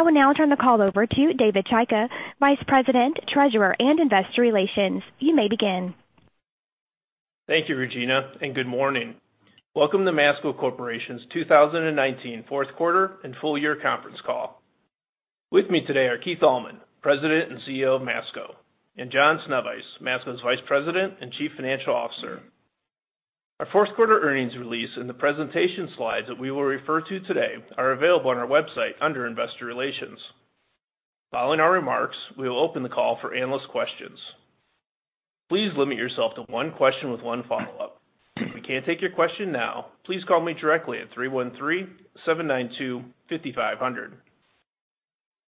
I will now turn the call over to David Chaika, Vice President, Treasurer, and Investor Relations. You may begin. Thank you, Regina, and good morning. Welcome to Masco Corporation's 2019 fourth quarter and full year conference call. With me today are Keith Allman, President and CEO of Masco, and John Sznewajs, Masco's Vice President and Chief Financial Officer. Our fourth quarter earnings release and the presentation slides that we will refer to today are available on our website under Investor Relations. Following our remarks, we will open the call for analyst questions. Please limit yourself to one question with one follow-up. If we can't take your question now, please call me directly at 313-792-5500.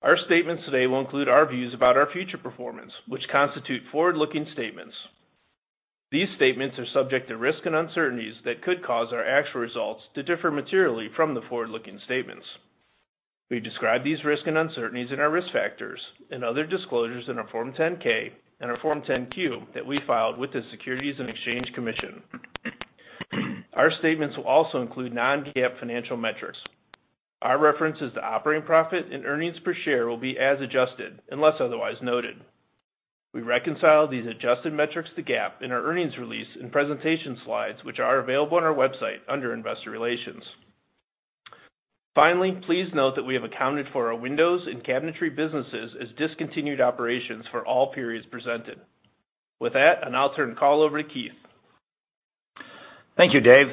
Our statements today will include our views about our future performance, which constitute forward-looking statements. These statements are subject to risks and uncertainties that could cause our actual results to differ materially from the forward-looking statements. We've described these risks and uncertainties in our risk factors and other disclosures in our Form 10-K and our Form 10-Q that we filed with the Securities and Exchange Commission. Our statements will also include non-GAAP financial metrics. Our references to operating profit and earnings per share will be as adjusted unless otherwise noted. We reconcile these adjusted metrics to GAAP in our earnings release and presentation slides, which are available on our website under Investor Relations. Finally, please note that we have accounted for our windows and cabinetry businesses as discontinued operations for all periods presented. With that, I now turn the call over to Keith. Thank you, Dave.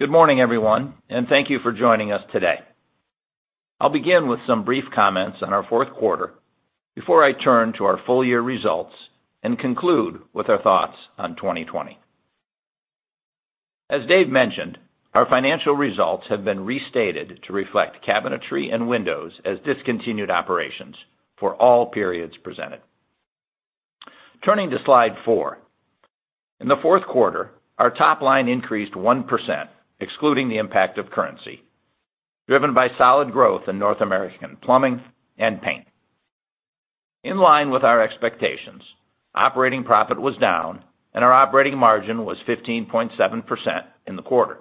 Good morning, everyone, and thank you for joining us today. I'll begin with some brief comments on our fourth quarter before I turn to our full year results and conclude with our thoughts on 2020. As Dave mentioned, our financial results have been restated to reflect cabinetry and windows as discontinued operations for all periods presented. Turning to slide four. In the fourth quarter, our top line increased 1% excluding the impact of currency, driven by solid growth in North American plumbing and paint. In line with our expectations, operating profit was down and our operating margin was 15.7% in the quarter.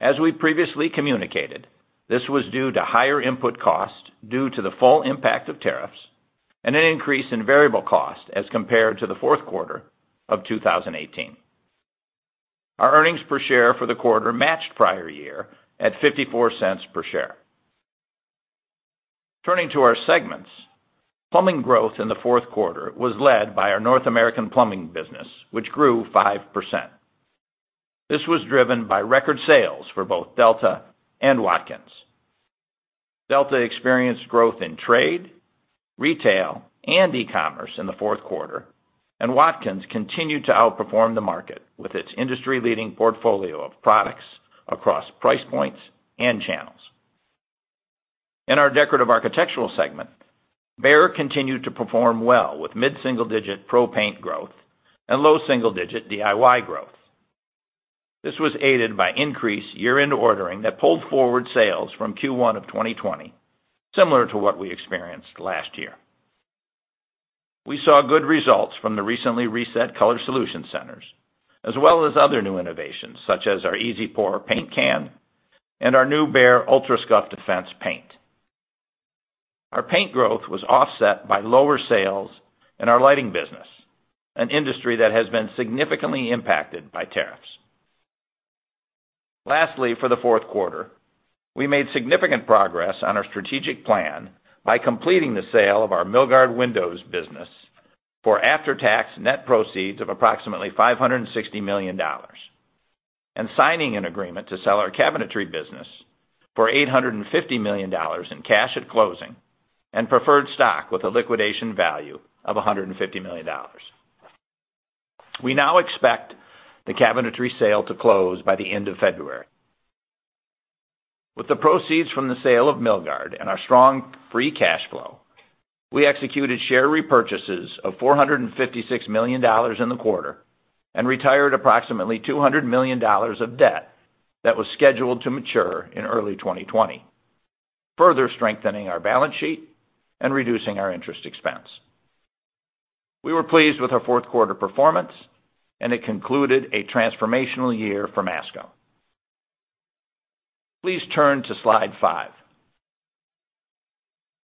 As we previously communicated, this was due to higher input costs due to the full impact of tariffs and an increase in variable costs as compared to the fourth quarter of 2018. Our earnings per share for the quarter matched prior year at $0.54 per share. Turning to our segments, plumbing growth in the fourth quarter was led by our North American plumbing business, which grew 5%. This was driven by record sales for both Delta and Watkins. Delta experienced growth in trade, retail, and e-commerce in the fourth quarter, and Watkins continued to outperform the market with its industry-leading portfolio of products across price points and channels. In our decorative architectural segment, Behr continued to perform well with mid-single-digit pro paint growth and low single-digit DIY growth. This was aided by increased year-end ordering that pulled forward sales from Q1 of 2020, similar to what we experienced last year. We saw good results from the recently reset Color Solution Centers, as well as other new innovations such as our Simple Pour paint can and our new BEHR ULTRA SCUFF DEFENSE paint. Our paint growth was offset by lower sales in our lighting business, an industry that has been significantly impacted by tariffs. Lastly, for the fourth quarter, we made significant progress on our strategic plan by completing the sale of our Milgard Windows business for after-tax net proceeds of approximately $560 million and signing an agreement to sell our cabinetry business for $850 million in cash at closing and preferred stock with a liquidation value of $150 million. We now expect the cabinetry sale to close by the end of February. With the proceeds from the sale of Milgard and our strong free cash flow, we executed share repurchases of $456 million in the quarter and retired approximately $200 million of debt that was scheduled to mature in early 2020, further strengthening our balance sheet and reducing our interest expense. We were pleased with our fourth quarter performance, and it concluded a transformational year for Masco. Please turn to slide five.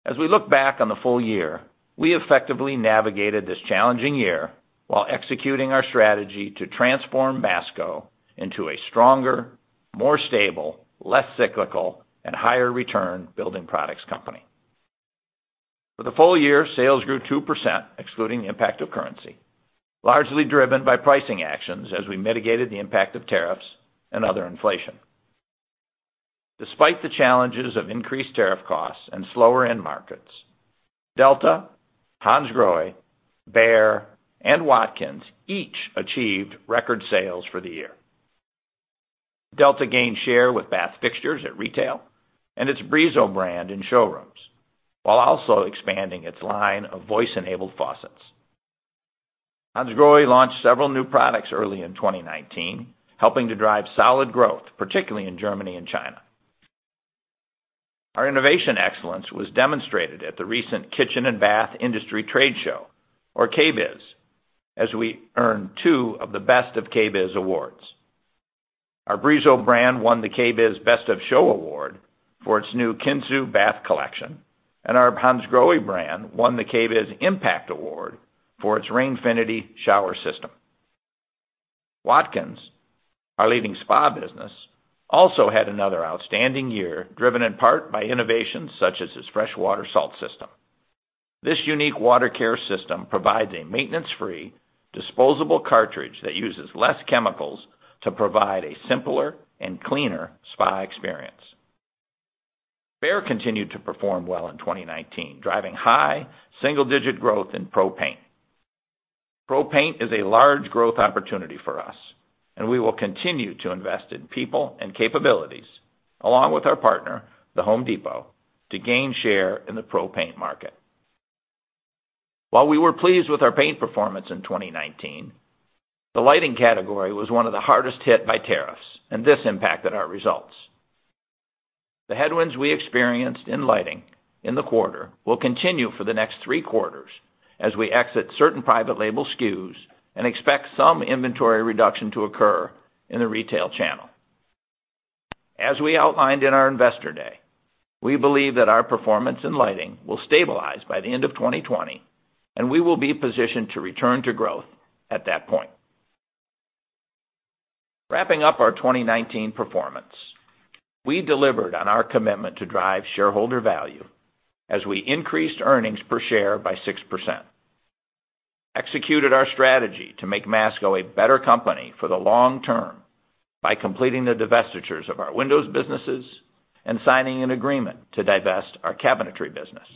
As we look back on the full year, we effectively navigated this challenging year while executing our strategy to transform Masco into a stronger, more stable, less cyclical, and higher return building products company. For the full year, sales grew 2% excluding the impact of currency, largely driven by pricing actions as we mitigated the impact of tariffs and other inflation. Despite the challenges of increased tariff costs and slower end markets, Delta, Hansgrohe, Behr, and Watkins each achieved record sales for the year. Delta gained share with bath fixtures at retail and its Brizo brand in showrooms while also expanding its line of voice-enabled faucets. Hansgrohe launched several new products early in 2019, helping to drive solid growth, particularly in Germany and China. Our innovation excellence was demonstrated at the recent Kitchen and Bath Industry Trade Show, or KBIS, as we earned two of the Best of KBIS awards. Our Brizo brand won the KBIS Best of Show Award for its new Kintsu bath collection, and our Hansgrohe brand won the KBIS Impact Award for its Rainfinity shower system. Watkins, our leading spa business, also had another outstanding year, driven in part by innovations such as its FreshWater Salt System. This unique water care system provides a maintenance-free disposable cartridge that uses less chemicals to provide a simpler and cleaner spa experience. Behr continued to perform well in 2019, driving high single-digit growth in pro paint. Pro paint is a large growth opportunity for us, and we will continue to invest in people and capabilities, along with our partner, The Home Depot, to gain share in the pro paint market. While we were pleased with our paint performance in 2019, the lighting category was one of the hardest hit by tariffs, and this impacted our results. The headwinds we experienced in lighting in the quarter will continue for the next three quarters as we exit certain private label SKUs and expect some inventory reduction to occur in the retail channel. As we outlined in our Investor Day, we believe that our performance in lighting will stabilize by the end of 2020, and we will be positioned to return to growth at that point. Wrapping up our 2019 performance, we delivered on our commitment to drive shareholder value as we increased earnings per share by 6%, executed our strategy to make Masco a better company for the long term by completing the divestitures of our windows businesses and signing an agreement to divest our cabinetry business.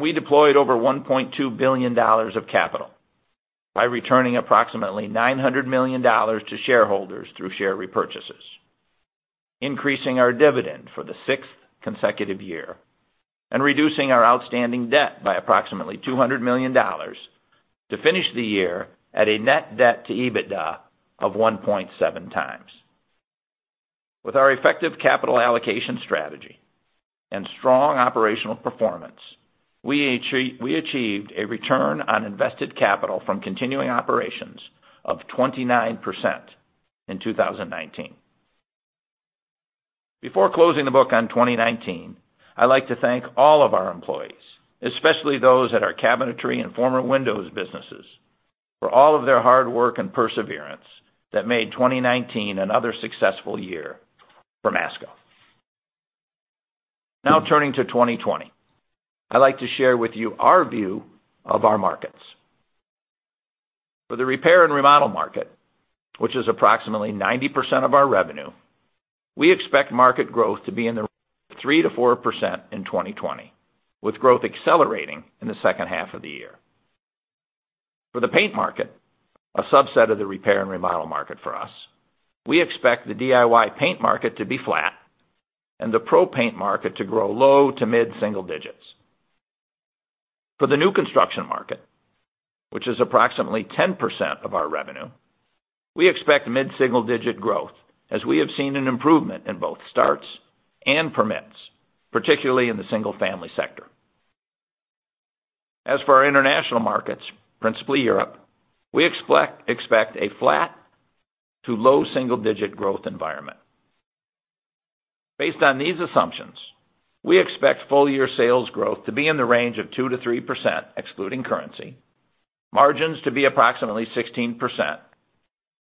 We deployed over $1.2 billion of capital by returning approximately $900 million to shareholders through share repurchases, increasing our dividend for the sixth consecutive year, and reducing our outstanding debt by approximately $200 million to finish the year at a net debt to EBITDA of 1.7x. With our effective capital allocation strategy and strong operational performance, we achieved a return on invested capital from continuing operations of 29% in 2019. Before closing the book on 2019, I'd like to thank all of our employees, especially those at our cabinetry and former windows businesses, for all of their hard work and perseverance that made 2019 another successful year for Masco. Turning to 2020, I'd like to share with you our view of our markets. For the repair and remodel market, which is approximately 90% of our revenue, we expect market growth to be in the 3%-4% in 2020, with growth accelerating in the second half of the year. For the paint market, a subset of the repair and remodel market for us, we expect the DIY paint market to be flat and the pro paint market to grow low to mid single digits. For the new construction market, which is approximately 10% of our revenue, we expect mid-single digit growth as we have seen an improvement in both starts and permits, particularly in the single-family sector. As for our international markets, principally Europe, we expect a flat to low single-digit growth environment. Based on these assumptions, we expect full-year sales growth to be in the range of 2%-3%, excluding currency, margins to be approximately 16%,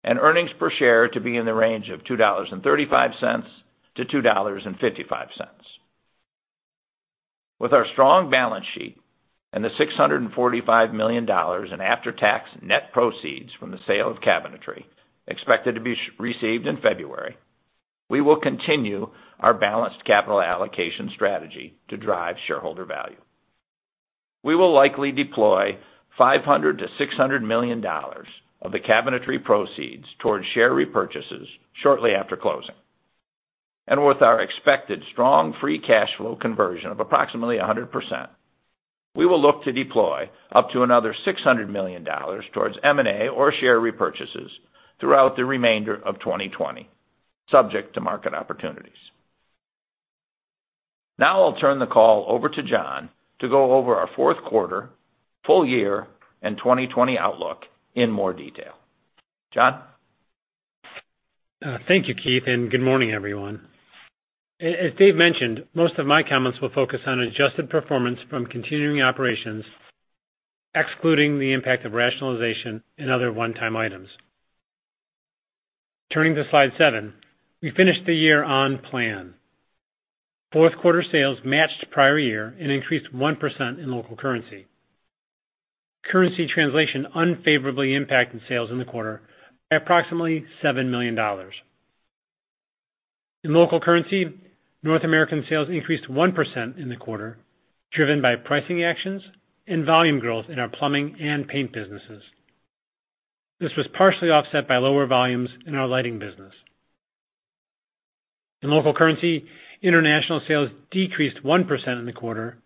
and earnings per share to be in the range of $2.35-$2.55. With our strong balance sheet and the $645 million in after-tax net proceeds from the sale of cabinetry, expected to be received in February, we will continue our balanced capital allocation strategy to drive shareholder value. We will likely deploy $500 million-$600 million of the cabinetry proceeds towards share repurchases shortly after closing. With our expected strong free cash flow conversion of approximately 100%, we will look to deploy up to another $600 million towards M&A or share repurchases throughout the remainder of 2020, subject to market opportunities. Now I'll turn the call over to John to go over our fourth quarter, full year, and 2020 outlook in more detail. John? Thank you, Keith, and good morning, everyone. As Dave mentioned, most of my comments will focus on adjusted performance from continuing operations, excluding the impact of rationalization and other one-time items. Turning to slide seven, we finished the year on plan. Fourth quarter sales matched prior year and increased 1% in local currency. Currency translation unfavorably impacted sales in the quarter by approximately $7 million. In local currency, North American sales increased 1% in the quarter, driven by pricing actions and volume growth in our plumbing and paint businesses. This was partially offset by lower volumes in our lighting business. In local currency, international sales decreased 1% in the quarter,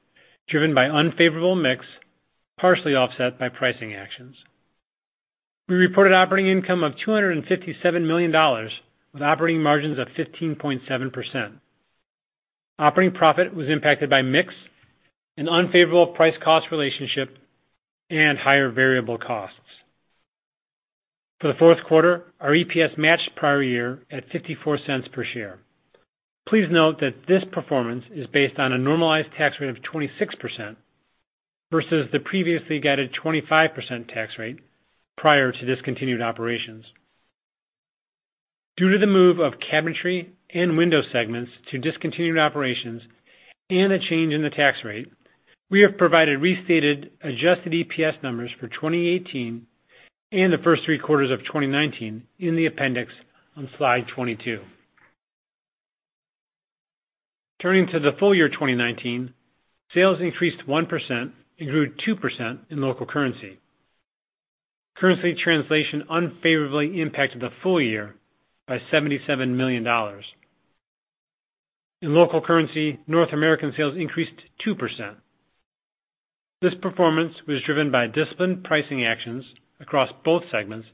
driven by unfavorable mix, partially offset by pricing actions. We reported operating income of $257 million, with operating margins of 15.7%. Operating profit was impacted by mix, an unfavorable price-cost relationship, and higher variable costs. For the fourth quarter, our EPS matched prior year at $0.54 per share. Please note that this performance is based on a normalized tax rate of 26%, versus the previously guided 25% tax rate prior to discontinued operations. Due to the move of cabinetry and window segments to discontinued operations and a change in the tax rate, we have provided restated adjusted EPS numbers for 2018 and the first three quarters of 2019 in the appendix on slide 22. Turning to the full year 2019, sales increased 1% and grew 2% in local currency. Currency translation unfavorably impacted the full year by $77 million. In local currency, North American sales increased 2%. This performance was driven by disciplined pricing actions across both segments,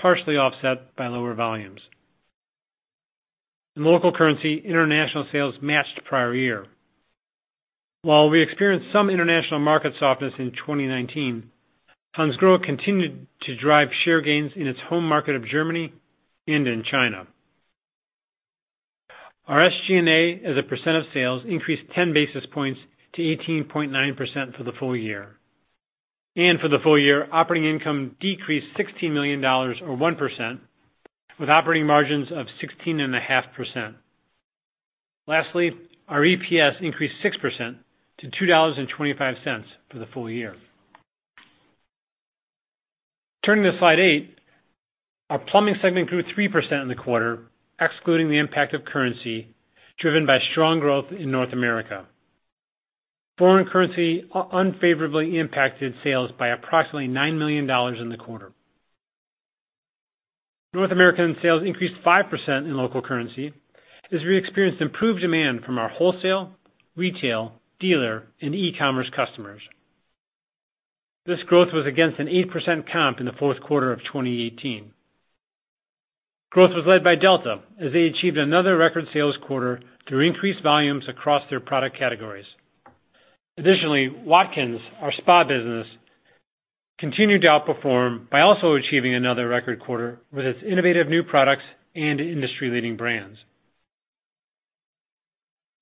partially offset by lower volumes. In local currency, international sales matched prior year. While we experienced some international market softness in 2019, Hansgrohe continued to drive share gains in its home market of Germany and in China. Our SG&A as a percent of sales increased 10 basis points to 18.9% for the full year. For the full year, operating income decreased $16 million, or 1%, with operating margins of 16.5%. Lastly, our EPS increased 6% to $2.25 for the full year. Turning to slide eight, our plumbing segment grew 3% in the quarter, excluding the impact of currency, driven by strong growth in North America. Foreign currency unfavorably impacted sales by approximately $9 million in the quarter. North American sales increased 5% in local currency as we experienced improved demand from our wholesale, retail, dealer, and e-commerce customers. This growth was against an 8% comp in the fourth quarter of 2018. Growth was led by Delta, as they achieved another record sales quarter through increased volumes across their product categories. Additionally, Watkins, our spa business, continued to outperform by also achieving another record quarter with its innovative new products and industry-leading brands.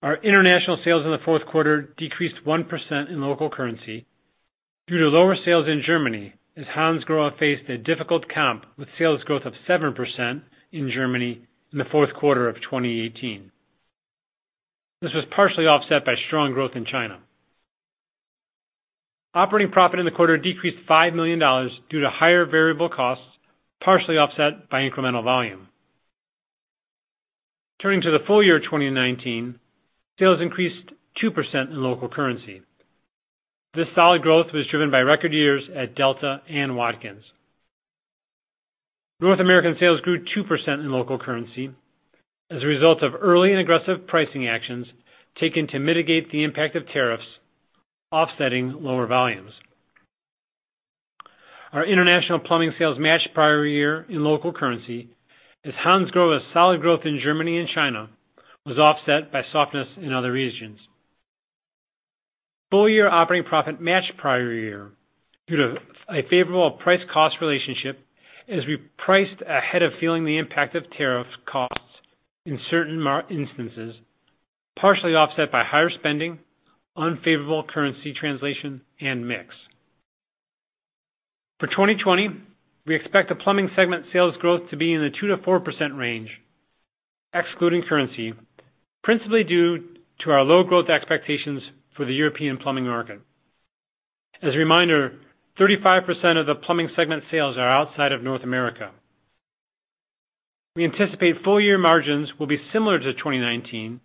Our international sales in the fourth quarter decreased 1% in local currency due to lower sales in Germany as Hansgrohe faced a difficult comp with sales growth of 7% in Germany in the fourth quarter of 2018. This was partially offset by strong growth in China. Operating profit in the quarter decreased $5 million due to higher variable costs, partially offset by incremental volume. Turning to the full year 2019, sales increased 2% in local currency. This solid growth was driven by record years at Delta and Watkins. North American sales grew 2% in local currency as a result of early and aggressive pricing actions taken to mitigate the impact of tariffs offsetting lower volumes. Our international plumbing sales matched prior year in local currency as Hansgrohe's solid growth in Germany and China was offset by softness in other regions. Full-year operating profit matched prior year due to a favorable price-cost relationship as we priced ahead of feeling the impact of tariff costs in certain instances, partially offset by higher spending, unfavorable currency translation, and mix. For 2020, we expect the plumbing segment sales growth to be in the 2%-4% range, excluding currency, principally due to our low growth expectations for the European plumbing market. As a reminder, 35% of the plumbing segment sales are outside of North America. We anticipate full-year margins will be similar to 2019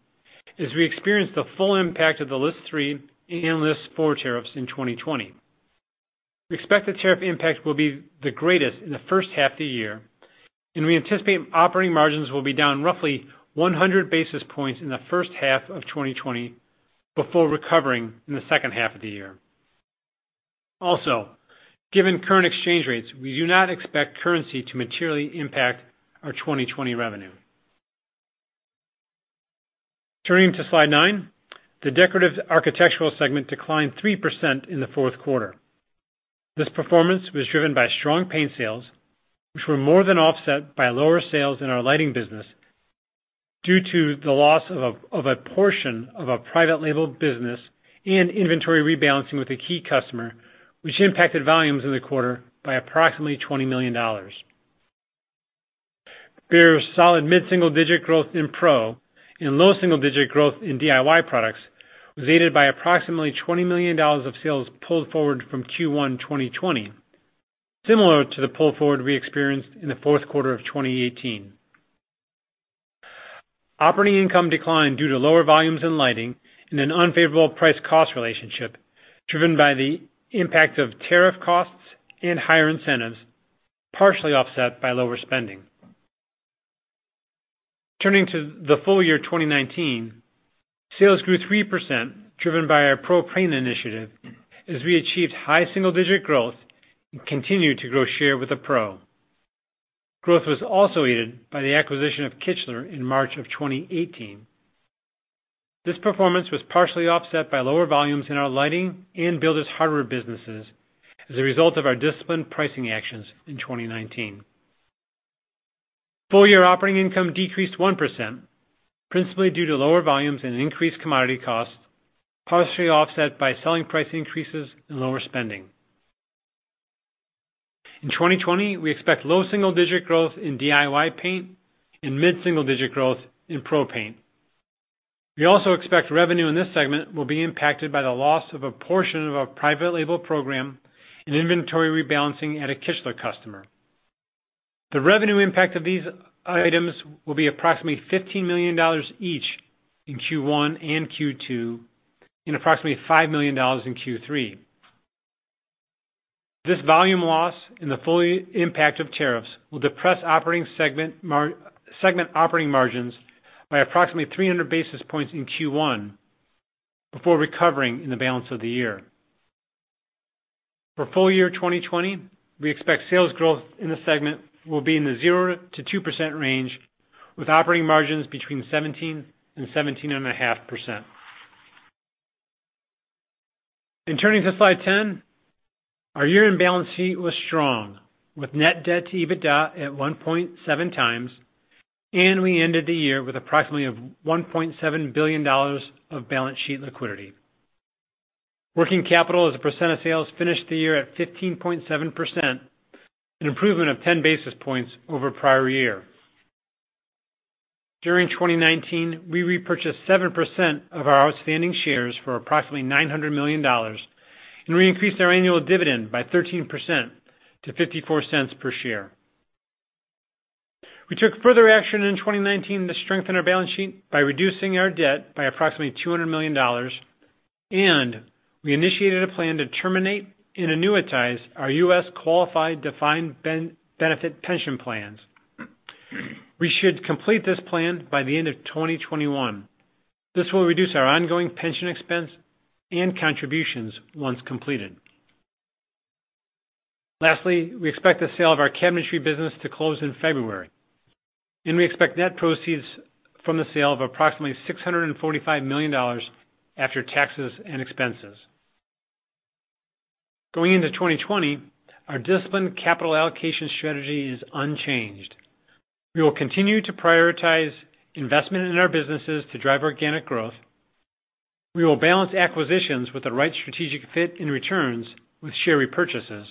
as we experience the full impact of the List 3 and List 4 tariffs in 2020. We expect the tariff impact will be the greatest in the first half of the year, and we anticipate operating margins will be down roughly 100 basis points in the first half of 2020 before recovering in the second half of the year. Given current exchange rates, we do not expect currency to materially impact our 2020 revenue. Turning to slide nine, the decorative architectural segment declined 3% in the fourth quarter. This performance was driven by strong paint sales, which were more than offset by lower sales in our lighting business due to the loss of a portion of a private label business and inventory rebalancing with a key customer, which impacted volumes in the quarter by approximately $20 million. There was solid mid-single-digit growth in pro and low single-digit growth in DIY products, was aided by approximately $20 million of sales pulled forward from Q1 2020, similar to the pull forward we experienced in the fourth quarter of 2018. Operating income declined due to lower volumes in lighting and an unfavorable price-cost relationship, driven by the impact of tariff costs and higher incentives, partially offset by lower spending. Turning to the full year 2019, sales grew 3%, driven by our pro paint initiative as we achieved high single-digit growth and continued to grow share with the pro. Growth was also aided by the acquisition of Kichler in March of 2018. This performance was partially offset by lower volumes in our lighting and builders' hardware businesses as a result of our disciplined pricing actions in 2019. Full-year operating income decreased 1%, principally due to lower volumes and increased commodity costs, partially offset by selling price increases and lower spending. In 2020, we expect low single-digit growth in DIY paint and mid-single digit growth in pro paint. We also expect revenue in this segment will be impacted by the loss of a portion of our private label program and inventory rebalancing at a Kichler customer. The revenue impact of these items will be approximately $15 million each in Q1 and Q2, and approximately $5 million in Q3. This volume loss and the full impact of tariffs will depress segment operating margins by approximately 300 basis points in Q1, before recovering in the balance of the year. For full year 2020, we expect sales growth in the segment will be in the 0%-2% range, with operating margins between 17% and 17.5%. Turning to slide 10. Our year-end balance sheet was strong, with net debt to EBITDA at 1.7x, and we ended the year with approximately $1.7 billion of balance sheet liquidity. Working capital as a percent of sales finished the year at 15.7%, an improvement of 10 basis points over prior year. During 2019, we repurchased 7% of our outstanding shares for approximately $900 million, and we increased our annual dividend by 13% to $0.54 per share. We took further action in 2019 to strengthen our balance sheet by reducing our debt by approximately $200 million, and we initiated a plan to terminate and annuitize our U.S. qualified defined benefit pension plans. We should complete this plan by the end of 2021. This will reduce our ongoing pension expense and contributions once completed. Lastly, we expect the sale of our cabinetry business to close in February. We expect net proceeds from the sale of approximately $645 million after taxes and expenses. Going into 2020, our disciplined capital allocation strategy is unchanged. We will continue to prioritize investment in our businesses to drive organic growth. We will balance acquisitions with the right strategic fit and returns with share repurchases.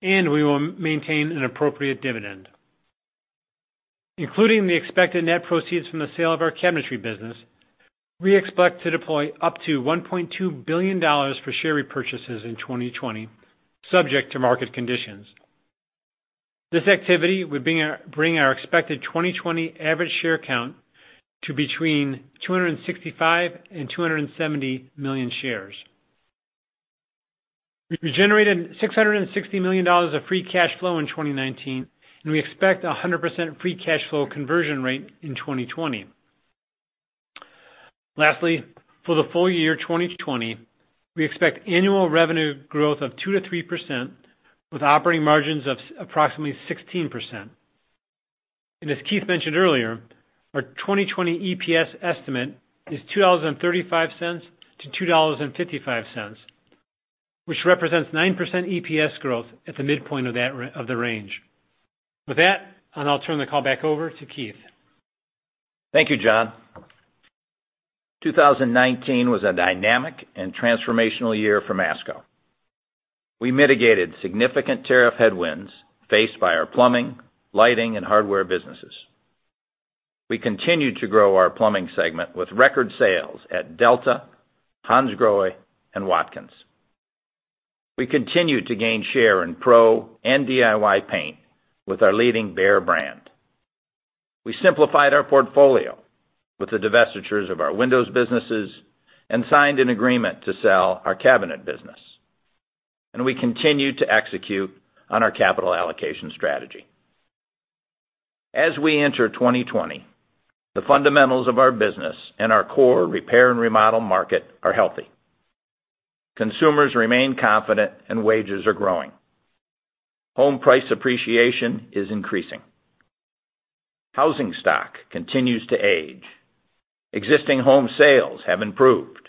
We will maintain an appropriate dividend. Including the expected net proceeds from the sale of our cabinetry business, we expect to deploy up to $1.2 billion for share repurchases in 2020, subject to market conditions. This activity would bring our expected 2020 average share count to between 265 million and 270 million shares. We generated $660 million of free cash flow in 2019. We expect 100% free cash flow conversion rate in 2020. Lastly, for the full year 2020, we expect annual revenue growth of 2%-3% with operating margins of approximately 16%. As Keith mentioned earlier, our 2020 EPS estimate is $2.35-$2.55, which represents 9% EPS growth at the midpoint of the range. With that, I'll now turn the call back over to Keith. Thank you, John. 2019 was a dynamic and transformational year for Masco. We mitigated significant tariff headwinds faced by our plumbing, lighting, and hardware businesses. We continued to grow our plumbing segment with record sales at Delta, Hansgrohe, and Watkins. We continued to gain share in pro and DIY paint with our leading Behr brand. We simplified our portfolio with the divestitures of our windows businesses and signed an agreement to sell our cabinetry business. We continued to execute on our capital allocation strategy. As we enter 2020, the fundamentals of our business and our core repair and remodel market are healthy. Consumers remain confident and wages are growing. Home price appreciation is increasing. Housing stock continues to age. Existing home sales have improved,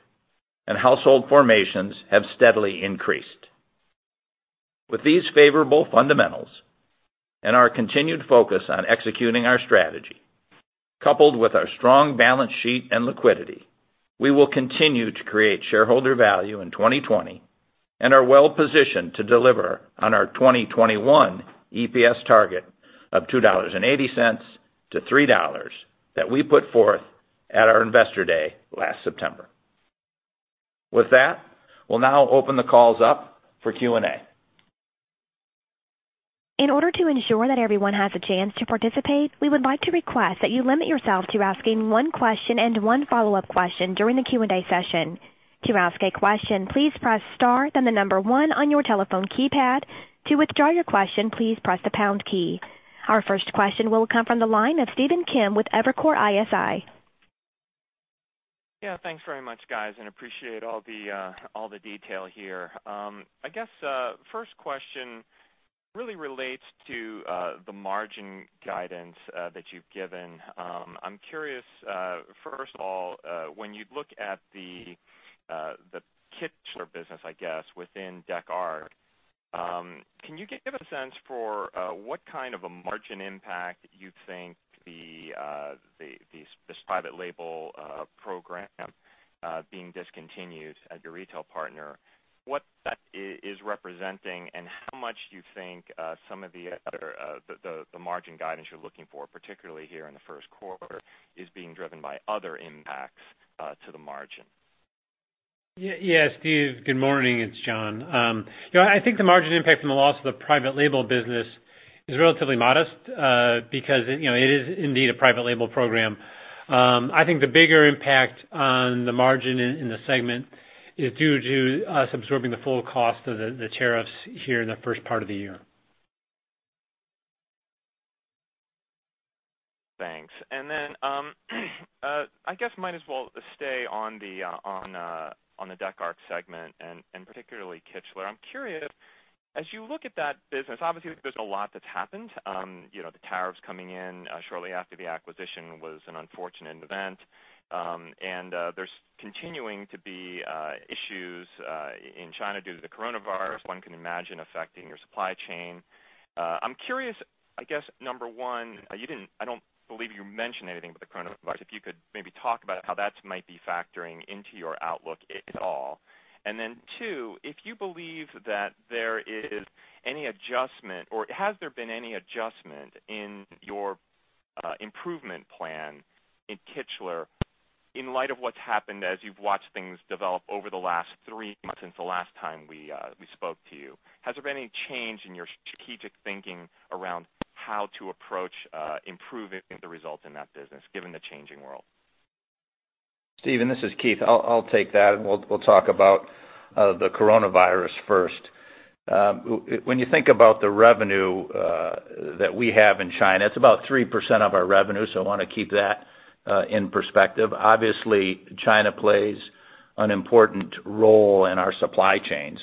and household formations have steadily increased. With these favorable fundamentals and our continued focus on executing our strategy, coupled with our strong balance sheet and liquidity, we will continue to create shareholder value in 2020 and are well-positioned to deliver on our 2021 EPS target of $2.80-$3 that we put forth at our Investor Day last September. With that, we'll now open the calls up for Q&A. In order to ensure that everyone has a chance to participate, we would like to request that you limit yourself to asking one question and one follow-up question during the Q&A session. To ask a question, please press star then the number one on your telephone keypad. To withdraw your question, please press the pound key. Our first question will come from the line of Stephen Kim with Evercore ISI. Thanks very much, guys, and appreciate all the detail here. I guess first question really relates to the margin guidance that you've given. I'm curious, first of all, when you look at the Kichler business, I guess, within decorative architectural, can you give a sense for what kind of a margin impact you think this private label program being discontinued at your retail partner, what that is representing and how much do you think some of the other, the margin guidance you're looking for, particularly here in the first quarter, is being driven by other impacts to the margin? Steve, good morning. It's John. I think the margin impact from the loss of the private label business is relatively modest, because it is indeed a private label program. I think the bigger impact on the margin in the segment is due to us absorbing the full cost of the tariffs here in the first part of the year. Thanks. I guess might as well stay on the dec arch segment, and particularly Kichler. I'm curious, as you look at that business, obviously, there's a lot that's happened. The tariffs coming in shortly after the acquisition was an unfortunate event. There's continuing to be issues in China due to the coronavirus, one can imagine, affecting your supply chain. I'm curious, I guess number one, I don't believe you mentioned anything about the coronavirus. If you could maybe talk about how that might be factoring into your outlook at all? Then two, if you believe that there is any adjustment, or has there been any adjustment in your improvement plan in Kichler in light of what's happened as you've watched things develop over the last three months since the last time we spoke to you? Has there been any change in your strategic thinking around how to approach improving the results in that business, given the changing world? Stephen, this is Keith. I'll take that, and we'll talk about the coronavirus first. When you think about the revenue that we have in China, it's about 3% of our revenue, so I want to keep that in perspective. Obviously, China plays an important role in our supply chain.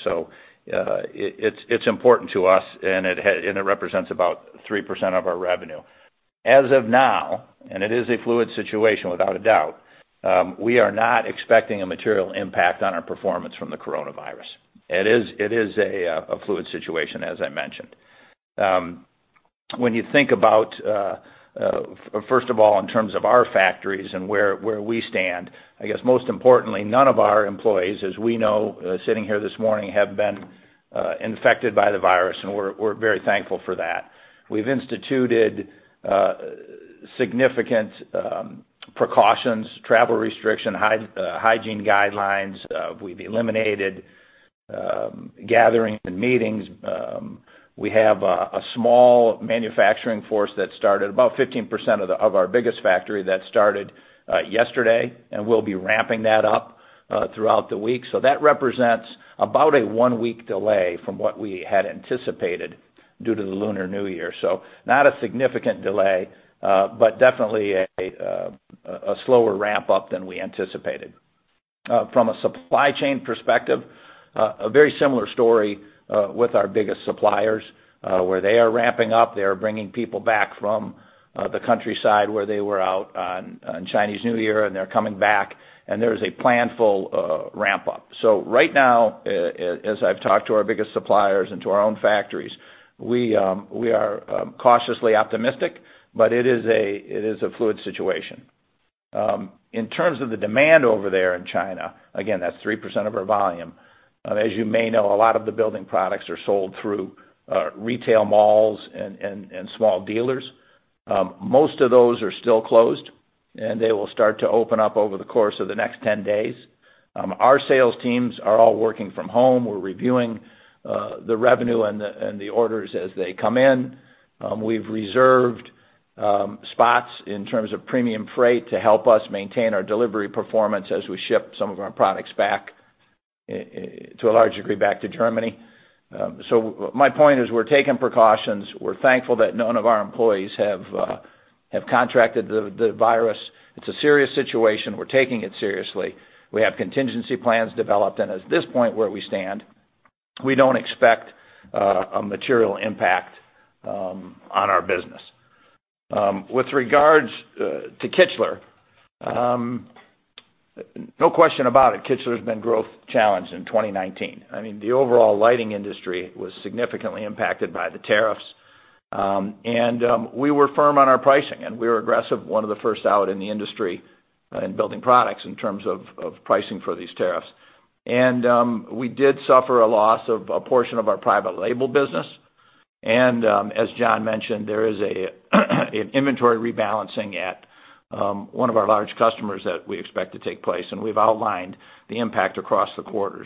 It's important to us, and it represents about 3% of our revenue. As of now, and it is a fluid situation, without a doubt, we are not expecting a material impact on our performance from the coronavirus. It is a fluid situation, as I mentioned. When you think about, first of all, in terms of our factories and where we stand, I guess most importantly, none of our employees, as we know sitting here this morning, have been infected by the virus, and we're very thankful for that. We've instituted significant precautions, travel restriction, hygiene guidelines. We've eliminated gathering and meetings. We have a small manufacturing force that started about 15% of our biggest factory that started yesterday, and we'll be ramping that up throughout the week. That represents about a one-week delay from what we had anticipated due to the Lunar New Year. Not a significant delay, but definitely a slower ramp-up than we anticipated. From a supply chain perspective, a very similar story with our biggest suppliers, where they are ramping up. They are bringing people back from the countryside where they were out on Chinese New Year, and they're coming back, and there is a planned full ramp-up. Right now, as I've talked to our biggest suppliers and to our own factories, we are cautiously optimistic, but it is a fluid situation. In terms of the demand over there in China, again, that's 3% of our volume. As you may know, a lot of the building products are sold through retail malls and small dealers. Most of those are still closed, and they will start to open up over the course of the next 10 days. Our sales teams are all working from home. We're reviewing the revenue and the orders as they come in. We've reserved spots in terms of premium freight to help us maintain our delivery performance as we ship some of our products back, to a large degree, back to Germany. My point is we're taking precautions. We're thankful that none of our employees have contracted the virus. It's a serious situation. We're taking it seriously. We have contingency plans developed, and at this point where we stand, we don't expect a material impact on our business. With regards to Kichler, no question about it, Kichler's been growth challenged in 2019. I mean, the overall lighting industry was significantly impacted by the tariffs. We were firm on our pricing, and we were aggressive, one of the first out in the industry in building products in terms of pricing for these tariffs. We did suffer a loss of a portion of our private label business. As John mentioned, there is an inventory rebalancing at one of our large customers that we expect to take place, and we've outlined the impact across the quarter.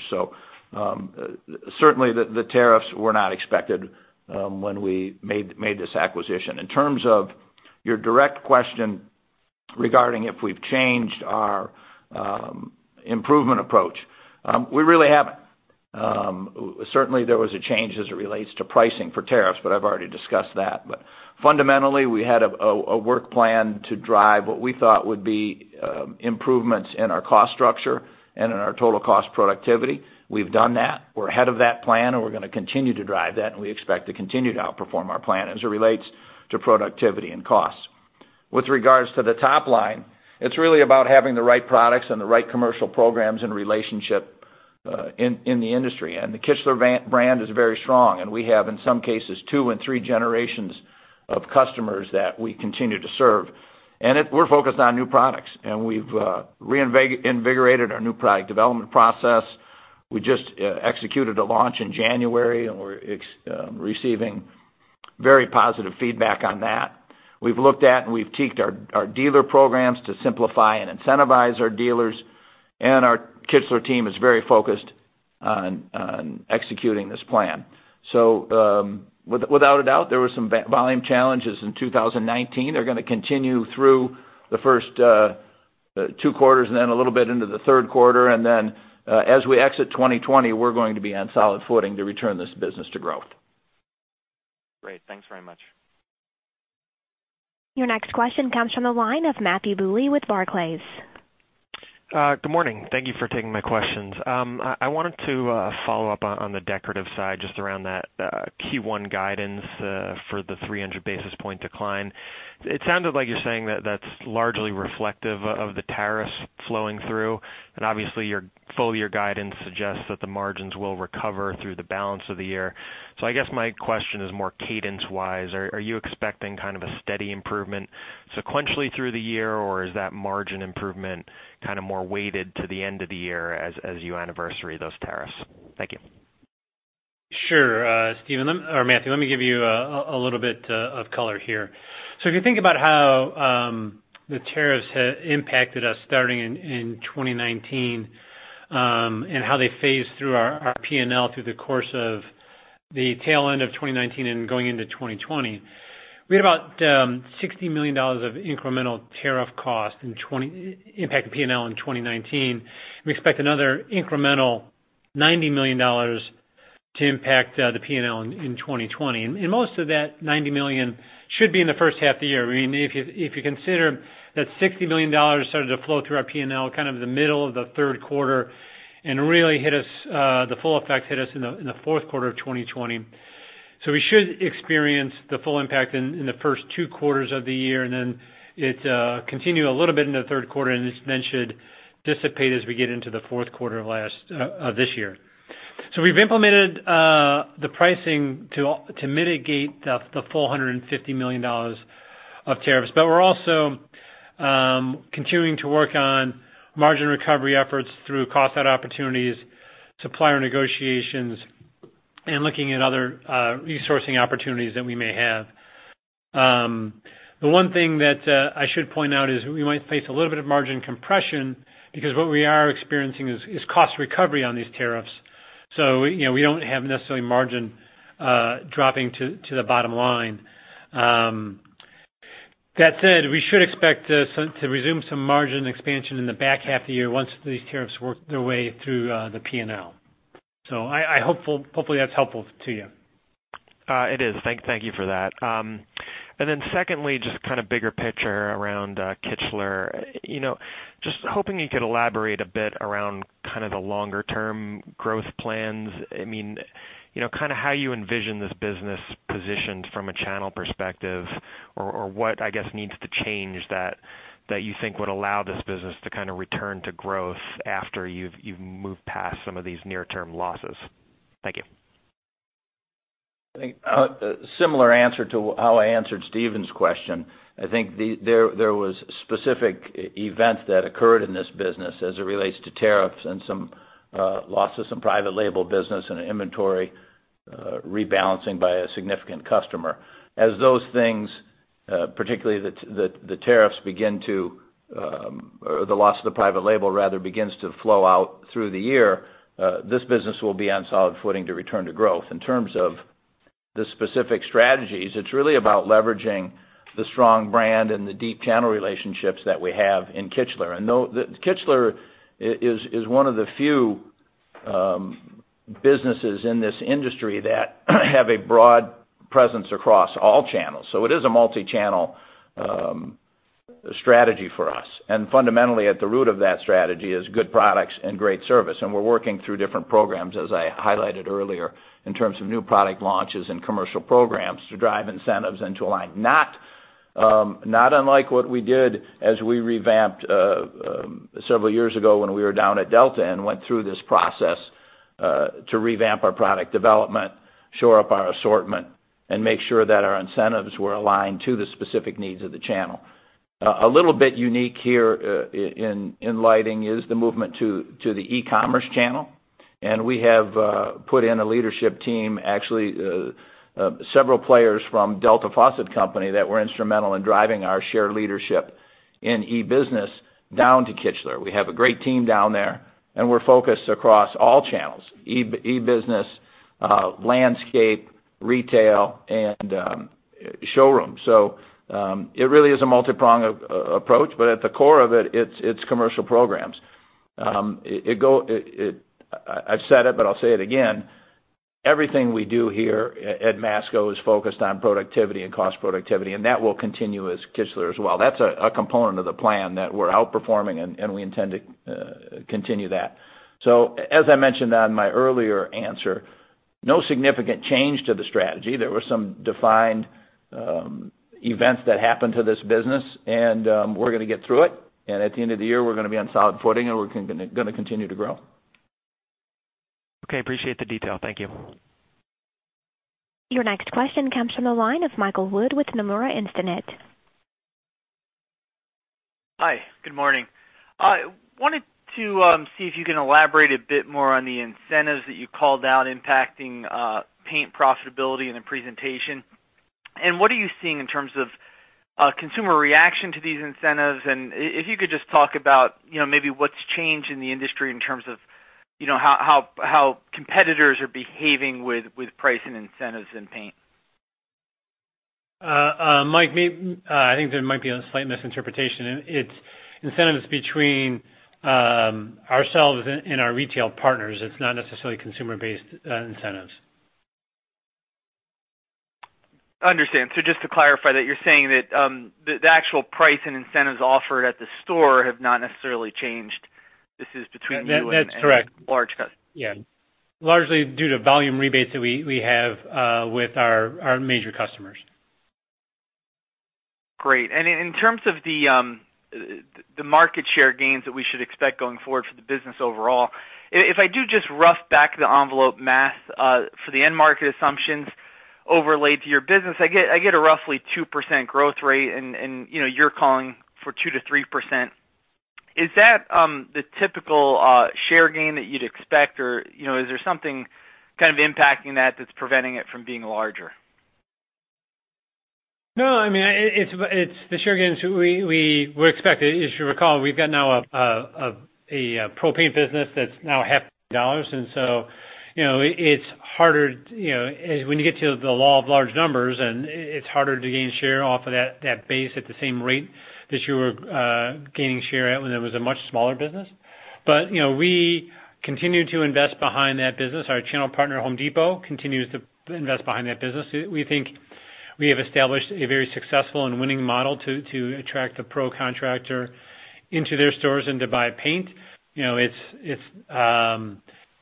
Certainly, the tariffs were not expected when we made this acquisition. In terms of your direct question regarding if we've changed our improvement approach, we really haven't. Certainly, there was a change as it relates to pricing for tariffs, but I've already discussed that. Fundamentally, we had a work plan to drive what we thought would be improvements in our cost structure and in our total cost productivity. We've done that. We're ahead of that plan, and we're going to continue to drive that, and we expect to continue to outperform our plan as it relates to productivity and costs. With regards to the top line, it's really about having the right products and the right commercial programs and relationship in the industry. The Kichler brand is very strong, and we have, in some cases, two and three generations of customers that we continue to serve. We're focused on new products, and we've reinvigorated our new product development process. We just executed a launch in January, and we're receiving very positive feedback on that. We've looked at and we've tweaked our dealer programs to simplify and incentivize our dealers, and our Kichler team is very focused on executing this plan. Without a doubt, there were some volume challenges in 2019. They're going to continue through the first two quarters and then a little bit into the third quarter. As we exit 2020, we're going to be on solid footing to return this business to growth. Great. Thanks very much. Your next question comes from the line of Matthew Bouley with Barclays. Good morning. Thank you for taking my questions. I wanted to follow-up on the decorative side, just around that Q1 guidance for the 300 basis point decline. It sounds that you're saying that's largely reflective of tariffs flowing through. Obviously, your full year guidance suggests that the margins will recover through the balance of the year. I guess my question is more cadence-wise. Are you expecting kind of a steady improvement sequentially through the year, or is that margin improvement kind of more weighted to the end of the year as you anniversary those tariffs? Thank you. Sure Matthew, let me give you a little bit of color here. If you think about how the tariffs impacted us starting in 2019, and how they phased through our P&L through the course of the tail end of 2019 and going into 2020. We had about $60 million of incremental tariff cost impact to P&L in 2019. We expect another incremental $90 million to impact the P&L in 2020. Most of that $90 million should be in the first half of the year. If you consider that $60 million started to flow through our P&L kind of the middle of the third quarter and really the full effect hit us in the fourth quarter of 2020. We should experience the full impact in the first two quarters of the year, and then it continue a little bit into the third quarter, and then should dissipate as we get into the fourth quarter of this year. We've implemented the pricing to mitigate the full $150 million of tariffs. We're also continuing to work on margin recovery efforts through cost out opportunities, supplier negotiations, and looking at other resourcing opportunities that we may have. The one thing that I should point out is we might face a little bit of margin compression because what we are experiencing is cost recovery on these tariffs. We don't have necessarily margin dropping to the bottom line. That said, we should expect to resume some margin expansion in the back half of the year once these tariffs work their way through the P&L. Hopefully that's helpful to you. It is. Thank you for that. Secondly, just kind of bigger picture around Kichler. Just hoping you could elaborate a bit around kind of the longer-term growth plans. Kind of how you envision this business positioned from a channel perspective or what, I guess, needs to change that you think would allow this business to kind of return to growth after you've moved past some of these near-term losses. Thank you. Similar answer to how I answered Stephen's question. I think there was specific events that occurred in this business as it relates to tariffs and some loss of some private label business and inventory rebalancing by a significant customer. As those things, particularly the tariffs or the loss of the private label rather, begins to flow out through the year, this business will be on solid footing to return to growth. In terms of the specific strategies, it's really about leveraging the strong brand and the deep channel relationships that we have in Kichler. Kichler is one of the few businesses in this industry that have a broad presence across all channels. It is a multi-channel strategy for us. Fundamentally, at the root of that strategy is good products and great service. We're working through different programs, as I highlighted earlier, in terms of new product launches and commercial programs to drive incentives and to align. Not unlike what we did as we revamped several years ago when we were down at Delta and went through this process to revamp our product development, shore up our assortment, and make sure that our incentives were aligned to the specific needs of the channel. A little bit unique here in lighting is the movement to the e-commerce channel, and we have put in a leadership team. Actually, several players from Delta Faucet Company that were instrumental in driving our shared leadership in e-business down to Kichler. We have a great team down there, and we're focused across all channels, e-business. Landscape, retail, and showroom. It really is a multipronged approach, but at the core of it's commercial programs. I've said it, but I'll say it again, everything we do here at Masco is focused on productivity and cost productivity, and that will continue as Kichler as well. That's a component of the plan that we're outperforming, and we intend to continue that. As I mentioned on my earlier answer, no significant change to the strategy. There were some defined events that happened to this business, and we're going to get through it, and at the end of the year, we're going to be on solid footing, and we're going to continue to grow. Okay. Appreciate the detail. Thank you. Your next question comes from the line of Michael Wood with Nomura Instinet. Hi, good morning. I wanted to see if you can elaborate a bit more on the incentives that you called out impacting paint profitability in the presentation. What are you seeing in terms of consumer reaction to these incentives? If you could just talk about maybe what's changed in the industry in terms of how competitors are behaving with price and incentives in paint? Mike, I think there might be a slight misinterpretation. It's incentives between ourselves and our retail partners. It's not necessarily consumer-based incentives. Understand. Just to clarify that you're saying that the actual price and incentives offered at the store have not necessarily changed? This is between you and-. That's correct. large customers. Yeah. Largely due to volume rebates that we have with our major customers. Great. In terms of the market share gains that we should expect going forward for the business overall, if I do just rough back the envelope math for the end market assumptions overlaid to your business, I get a roughly 2% growth rate and you're calling for 2%-3%. Is that the typical share gain that you'd expect? Is there something kind of impacting that that's preventing it from being larger? No, I mean, it's the share gains we were expecting. As you recall, we've got now a pro paint business that's now half dollars, when you get to the law of large numbers, it's harder to gain share off of that base at the same rate that you were gaining share at when it was a much smaller business. We continue to invest behind that business. Our channel partner, The Home Depot, continues to invest behind that business. We think we have established a very successful and winning model to attract the pro contractor into their stores and to buy paint.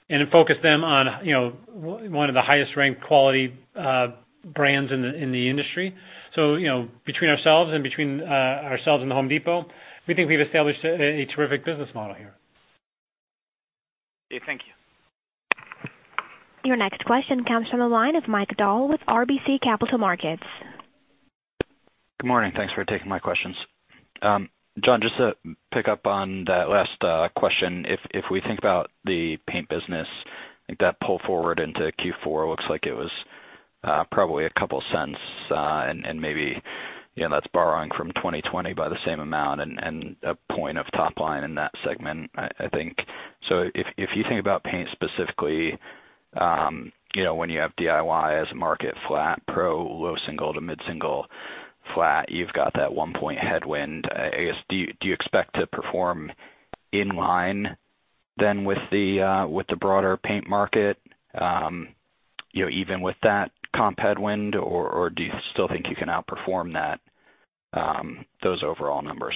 It focused them on one of the highest-ranked quality brands in the industry. Between ourselves and between ourselves and The Home Depot, we think we've established a terrific business model here. Okay, thank you. Your next question comes from the line of Mike Dahl with RBC Capital Markets. Good morning. Thanks for taking my questions. John, just to pick up on that last question, if we think about the paint business, I think that pull forward into Q4 looks like it was probably $0.02, maybe that's borrowing from 2020 by the same amount and one point of top line in that segment, I think. If you think about paint specifically, when you have DIY as a market flat, pro low single to mid-single flat, you've got that one-point headwind. I guess, do you expect to perform in line then with the broader paint market even with that comp headwind, or do you still think you can outperform those overall numbers?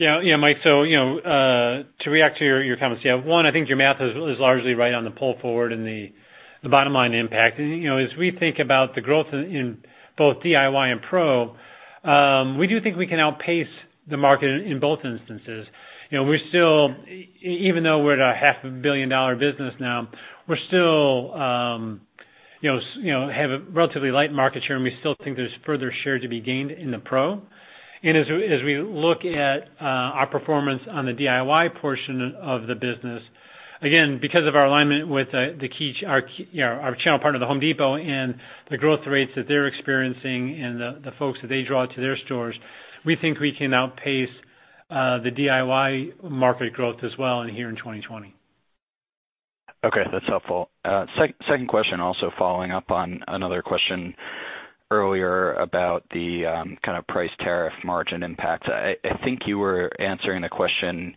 Yeah, Mike, to react to your comments. One, I think your math is largely right on the pull forward and the bottom line impact. As we think about the growth in both DIY and pro, we do think we can outpace the market in both instances. Even though we're at a $500 million business now, we still have a relatively light market share, and we still think there's further share to be gained in the pro. As we look at our performance on the DIY portion of the business, again, because of our alignment with our channel partner, The Home Depot, and the growth rates that they're experiencing and the folks that they draw to their stores, we think we can outpace the DIY market growth as well in here in 2020. Okay, that's helpful. Second question also following up on another question earlier about the kind of price tariff margin impact. I think you were answering the question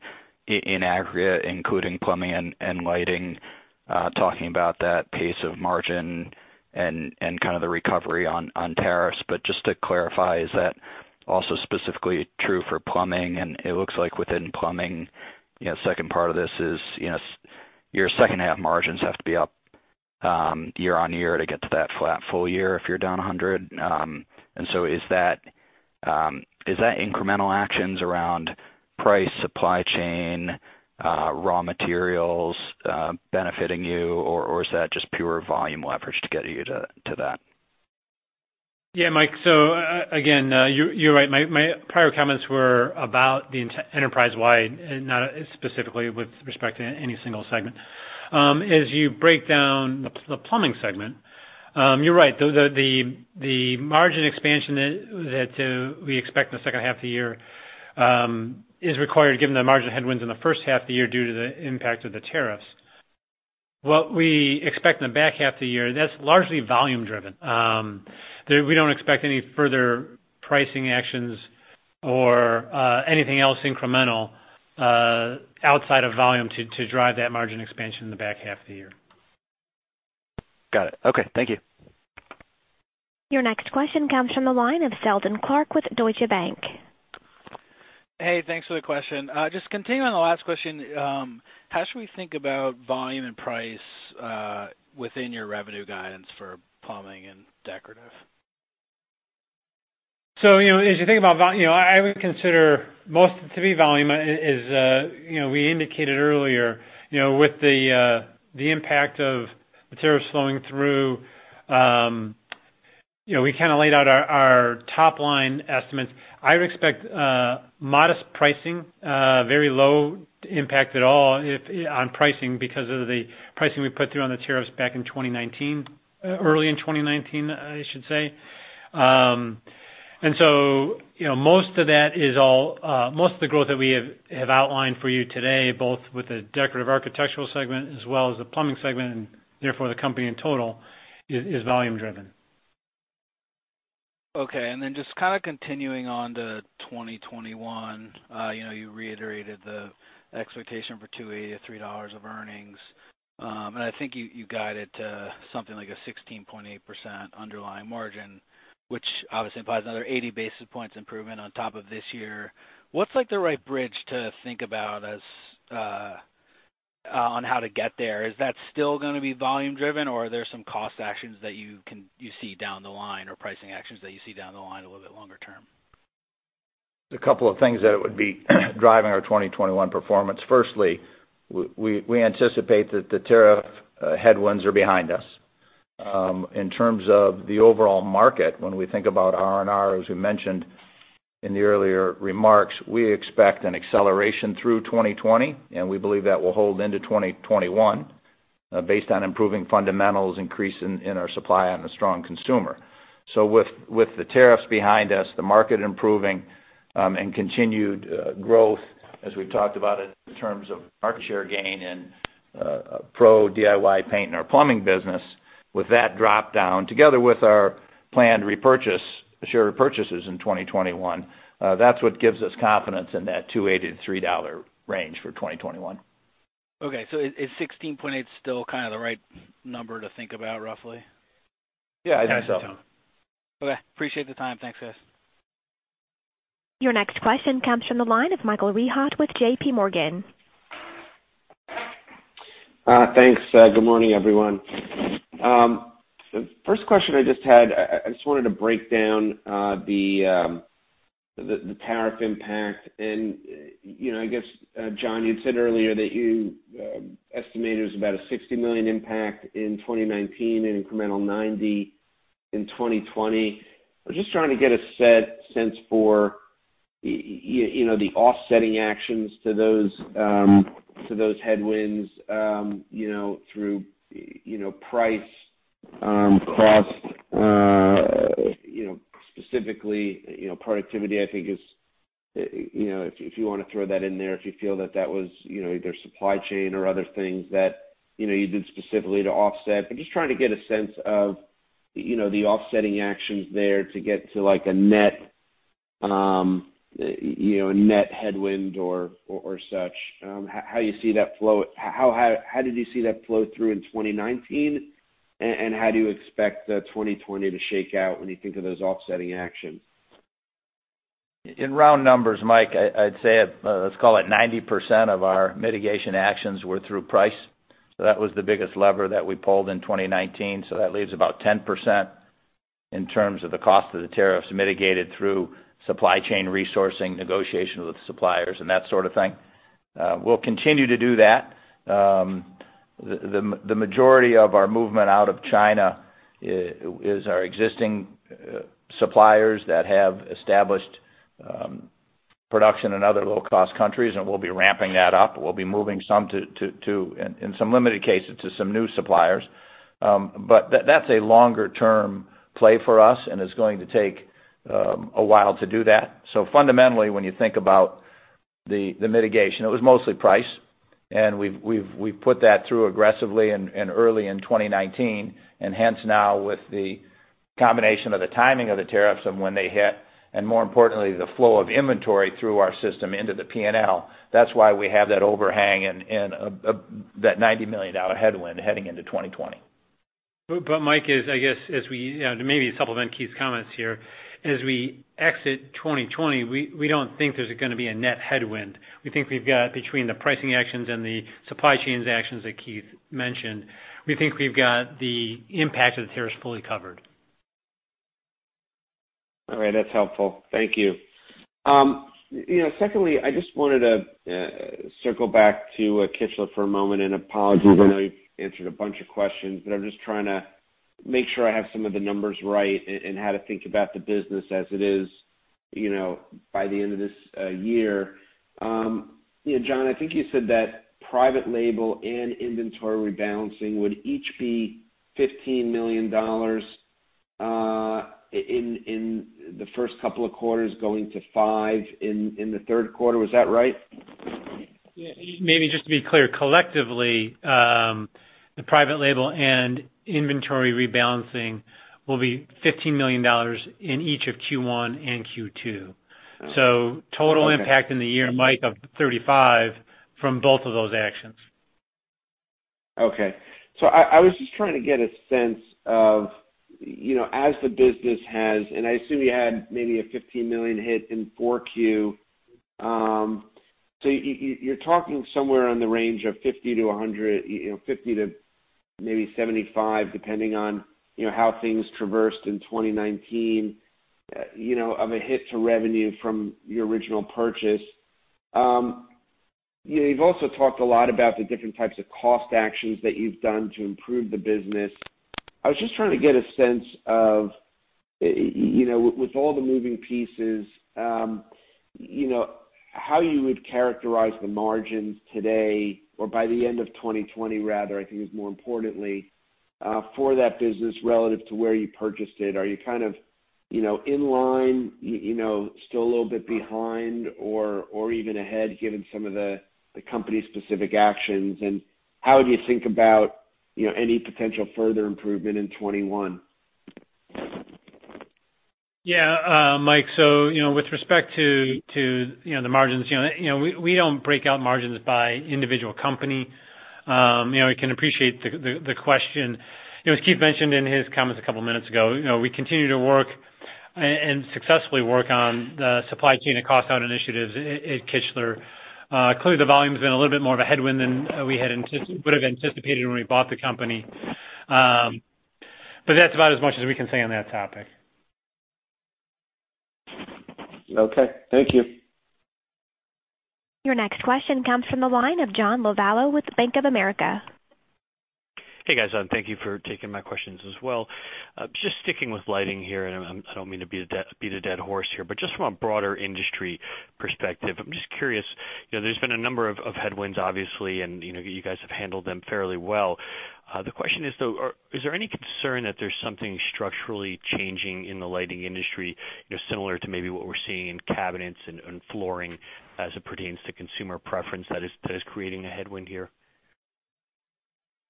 in aggregate, including plumbing and lighting, talking about that pace of margin and kind of the recovery on tariffs. Just to clarify, is that also specifically true for plumbing? It looks like within plumbing, second part of this is, your second half margins have to be up year-on-year to get to that flat full year if you're down 100 basis points. Is that incremental actions around price, supply chain, raw materials benefiting you, or is that just pure volume leverage to get you to that? Yeah, Mike. Again, you're right. My prior comments were about the enterprise wide, not specifically with respect to any single segment. As you break down the plumbing segment, you're right. The margin expansion that we expect in the second half of the year is required given the margin headwinds in the first half of the year due to the impact of the tariffs. What we expect in the back half of the year, that's largely volume driven. We don't expect any further pricing actions or anything else incremental outside of volume to drive that margin expansion in the back half of the year. Got it. Okay. Thank you. Your next question comes from the line of Seldon Clarke with Deutsche Bank. Hey, thanks for the question. Just continuing on the last question, how should we think about volume and price within your revenue guidance for plumbing and decorative? As you think about I would consider most to be volume is, we indicated earlier, with the impact of the tariffs flowing through, we kind of laid out our top line estimates. I would expect modest pricing, very low impact at all on pricing because of the pricing we put through on the tariffs back in 2019, early in 2019, I should say. Most of the growth that we have outlined for you today, both with the decorative architectural segment as well as the plumbing segment, and therefore the company in total, is volume driven. Okay, just kind of continuing on to 2021, you reiterated the expectation for $2.80-$3 of earnings. I think you guided to something like a 16.8% underlying margin, which obviously implies another 80 basis points improvement on top of this year. What's like the right bridge to think about on how to get there? Is that still gonna be volume driven, or are there some cost actions that you see down the line, or pricing actions that you see down the line a little bit longer term? There's a couple of things that it would be driving our 2021 performance. Firstly, we anticipate that the tariff headwinds are behind us. In terms of the overall market, when we think about R&R, as we mentioned in the earlier remarks, we expect an acceleration through 2020, and we believe that will hold into 2021, based on improving fundamentals, increase in our supply and a strong consumer. With the tariffs behind us, the market improving, and continued growth, as we've talked about in terms of market share gain in pro DIY paint and our plumbing business, with that drop down, together with our planned repurchase, share repurchases in 2021, that's what gives us confidence in that $2.80-$3 range for 2021. Okay, is $16.8 still kind of the right number to think about roughly? Yeah, I think so. Okay. Appreciate the time. Thanks, guys. Your next question comes from the line of Michael Rehaut with JPMorgan. Thanks. Good morning, everyone. First question I just had, I just wanted to break down the tariff impact. I guess, John, you had said earlier that you estimated it was about a $60 million impact in 2019 and incremental $90 million in 2020. I was just trying to get a sense for, you know, the offsetting actions to those headwinds through price, cost, specifically, productivity, I think if you want to throw that in there, if you feel that that was either supply chain or other things that you did specifically to offset. Just trying to get a sense of the offsetting actions there to get to a net, a net headwind or such. How did you see that flow through in 2019, and how do you expect 2020 to shake out when you think of those offsetting actions? In round numbers, Mike, I'd say, let's call it 90% of our mitigation actions were through price. That was the biggest lever that we pulled in 2019. That leaves about 10% in terms of the cost of the tariffs mitigated through supply chain resourcing, negotiations with suppliers, and that sort of thing. We'll continue to do that. The majority of our movement out of China is our existing suppliers that have established production in other low-cost countries, and we'll be ramping that up. We'll be moving some to, in some limited cases, to some new suppliers. That's a longer-term play for us and is going to take a while to do that. Fundamentally, when you think about the mitigation, it was mostly price, and we've put that through aggressively and early in 2019, and hence now with the combination of the timing of the tariffs and when they hit, and more importantly, the flow of inventory through our system into the P&L. That's why we have that overhang and that $90 million headwind heading into 2020. Mike, maybe to supplement Keith's comments here, as we exit 2020, we don't think there's going to be a net headwind. We think we've got between the pricing actions and the supply chains actions that Keith mentioned, we think we've got the impact of the tariffs fully covered. All right. That's helpful. Thank you. Secondly, I just wanted to circle back to Kichler for a moment. I know you've answered a bunch of questions, but I'm just trying to make sure I have some of the numbers right and how to think about the business as it is, by the end of this year. John, I think you said that private label and inventory rebalancing would each be $15 million, in the first couple of quarters, going to $5 million in the third quarter. Was that right? Maybe just to be clear, collectively, the private label and inventory rebalancing will be $15 million in each of Q1 and Q2. Oh, okay. Total impact in the year, Mike, of $35 from both of those actions. I was just trying to get a sense of, as the business has, and I assume you had maybe a $15 million hit in 4Q, so you're talking somewhere in the range of $50 million to maybe $75 million, depending on how things traversed in 2019, of a hit to revenue from your original purchase. You've also talked a lot about the different types of cost actions that you've done to improve the business. I was just trying to get a sense of, with all the moving pieces, how you would characterize the margins today or by the end of 2020 rather, I think, more importantly, for that business relative to where you purchased it. Are you kind of in line, still a little bit behind or even ahead, given some of the company-specific actions, and how do you think about any potential further improvement in 2021? Mike, with respect to the margins, we don't break out margins by individual company. We can appreciate the question. As Keith mentioned in his comments a couple of minutes ago, we continue to work and successfully work on the supply chain and cost out initiatives at Kichler. Clearly the volume's been a little bit more of a headwind than we would've anticipated when we bought the company. That's about as much as we can say on that topic. Okay. Thank you. Your next question comes from the line of John Lovallo with Bank of America. Hey, guys. Thank you for taking my questions as well. Just sticking with lighting here, and I don't mean to beat a dead horse here, but just from a broader industry perspective, I'm just curious. There's been a number of headwinds, obviously, and you guys have handled them fairly well. The question is, though, is there any concern that there's something structurally changing in the lighting industry, similar to maybe what we're seeing in cabinets and flooring as it pertains to consumer preference that is creating a headwind here?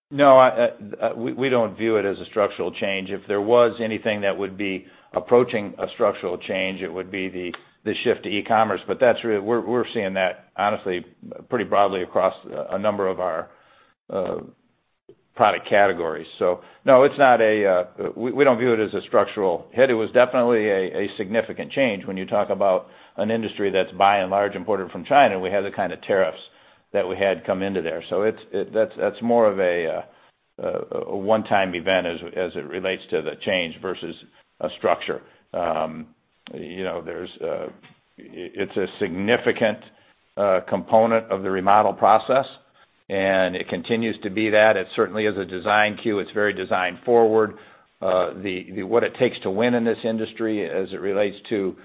No, we don't view it as a structural change. If there was anything that would be approaching a structural change, it would be the shift to e-commerce. We're seeing that honestly pretty broadly across a number of our product categories. No, we don't view it as a structural hit. It was definitely a significant change when you talk about an industry that's by and large imported from China, and we had the kind of tariffs that we had come into there. That's more of a one-time event as it relates to the change versus a structure. It's a significant component of the remodel process, and it continues to be that. It certainly is a design cue. It's very design forward. What it takes to win in this industry as it relates to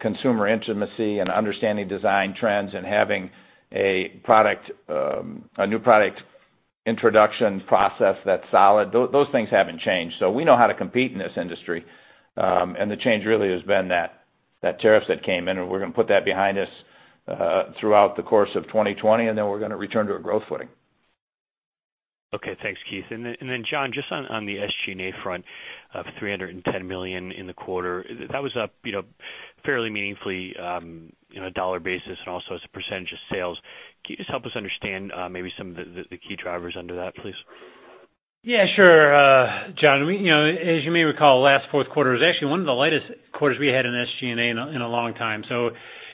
consumer intimacy and understanding design trends and having a new product introduction process that's solid, those things haven't changed. We know how to compete in this industry. The change really has been that tariff that came in, and we're going to put that behind us, throughout the course of 2020, and then we're going to return to a growth footing. Okay, thanks, Keith. John, just on the SG&A front of $310 million in the quarter, that was up fairly meaningfully, in a dollar basis and also as a percent of sales. Can you just help us understand maybe some of the key drivers under that, please? Yeah, sure. John, as you may recall, last fourth quarter was actually one of the lightest quarters we had in SG&A in a long time.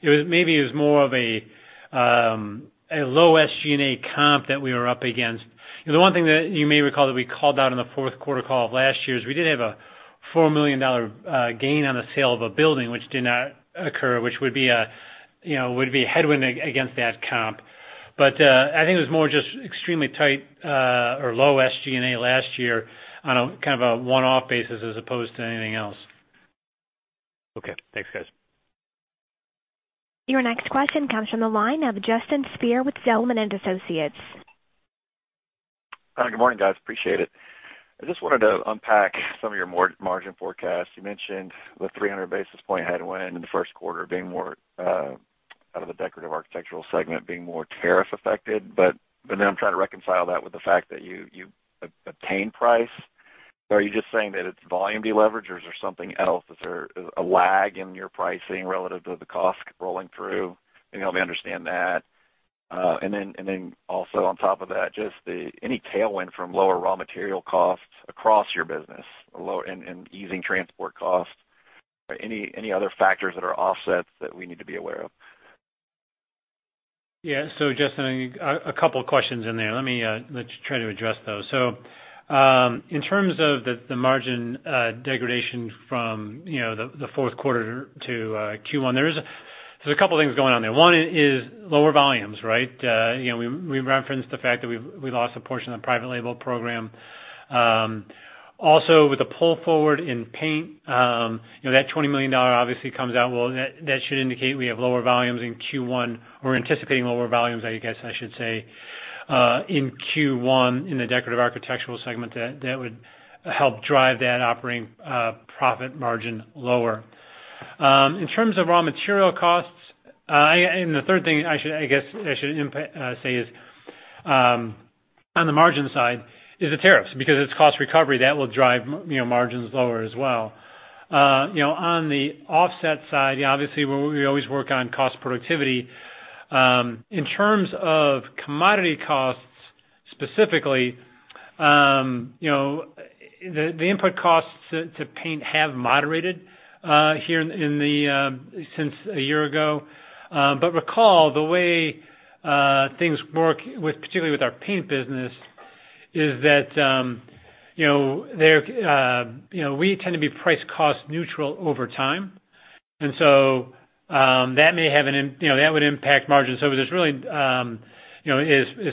Maybe it was more of a low SG&A comp that we were up against. The one thing that you may recall that we called out in the fourth quarter call of last year is we did have a $4 million gain on the sale of a building, which did not occur, which would be a headwind against that comp. I think it was more just extremely tight, or low SG&A last year on a kind of a one-off basis as opposed to anything else. Okay. Thanks, guys. Your next question comes from the line of Justin Speer with Zelman & Associates. Good morning, guys. Appreciate it. I just wanted to unpack some of your margin forecasts. You mentioned the 300 basis points headwind in the first quarter out of the decorative architectural segment being more tariff affected. I'm trying to reconcile that with the fact that you obtain price. Are you just saying that it's volume deleverage or is there something else? Is there a lag in your pricing relative to the cost rolling through? Can you help me understand that? Also, on top of that, just any tailwind from lower raw material costs across your business and easing transport costs, any other factors that are offsets that we need to be aware of? Justin, a couple of questions in there. Let me try to address those. In terms of the margin degradation from the fourth quarter to Q1, there's a couple of things going on there. One is lower volumes, right? We referenced the fact that we lost a portion of the private label program. Also, with the pull forward in paint, that $20 million obviously comes out. Well, that should indicate we have lower volumes in Q1. We're anticipating lower volumes, I guess I should say. In Q1, in the decorative architectural segment, that would help drive that operating profit margin lower. In terms of raw material costs, the third thing, I guess, I should say is on the margin side is the tariffs, because it's cost recovery, that will drive margins lower as well. On the offset side, obviously we always work on cost productivity. In terms of commodity costs specifically, the input costs to paint have moderated here since a year ago. Recall, the way things work, particularly with our paint business, is that we tend to be price cost neutral over time. That would impact margins. As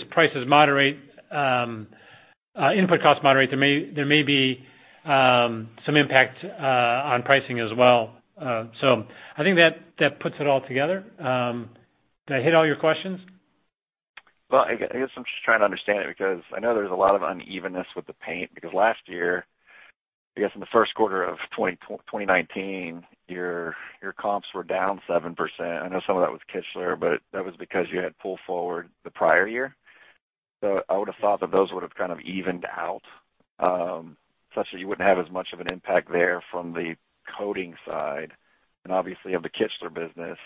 prices moderate, input costs moderate, there may be some impact on pricing as well. I think that puts it all together. Did I hit all your questions? Well, I guess I'm just trying to understand it, because I know there's a lot of unevenness with the paint, because last year, I guess in the first quarter of 2019, your comps were down 7%. I know some of that was Kichler, that was because you had pull forward the prior year. I would've thought that those would've kind of evened out, such that you wouldn't have as much of an impact there from the coding side and obviously of the Kichler business.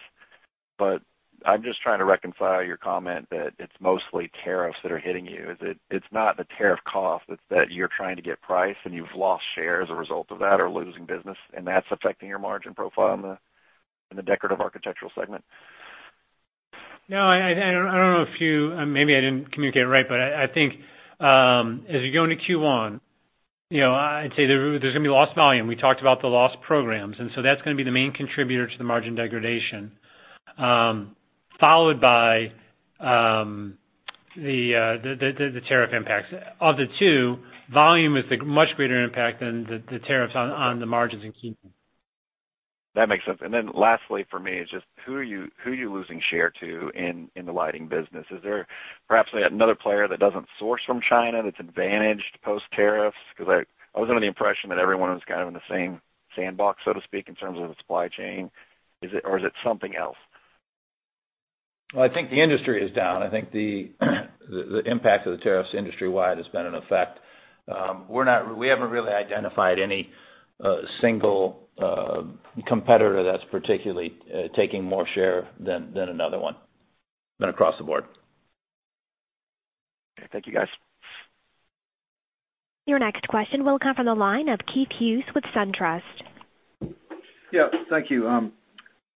I'm just trying to reconcile your comment that it's mostly tariffs that are hitting you. It's not the tariff cost, it's that you're trying to get price and you've lost share as a result of that or losing business, and that's affecting your margin profile in the decorative architectural segment. Maybe I didn't communicate it right, but I think, as you go into Q1, I'd say there's going to be lost volume. We talked about the lost programs, that's going to be the main contributor to the margin degradation, followed by the tariff impacts. Of the two, volume is the much greater impact than the tariffs on the margins in Q1. That makes sense. Lastly for me is just, who are you losing share to in the lighting business? Is there perhaps another player that doesn't source from China that's advantaged post-tariffs? Because I was under the impression that everyone was kind of in the same sandbox, so to speak, in terms of the supply chain. Is it something else? Well, I think the industry is down. I think the impact of the tariffs industry-wide has been in effect. We haven't really identified any single competitor that's particularly taking more share than another one, been across the board. Okay. Thank you, guys. Your next question will come from the line of Keith Hughes with SunTrust. Yeah, thank you.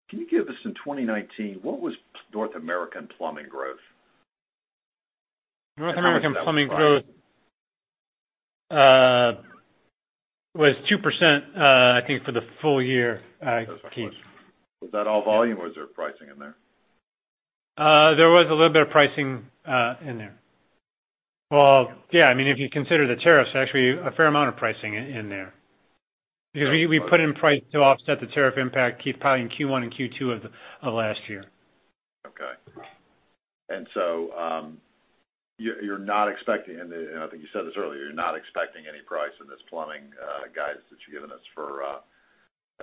Can you give us, in 2019, what was North American plumbing growth? North American plumbing growth. I'm sorry. That was private. Was 2%, I think, for the full year, Keith. That's my question. Was that all volume or is there pricing in there? There was a little bit of pricing in there. Well, yeah, if you consider the tariffs, actually, a fair amount of pricing in there. We put in price to offset the tariff impact, Keith, probably in Q1 and Q2 of last year. Okay. You're not expecting, and I think you said this earlier, you're not expecting any price in this plumbing guidance that you've given us for.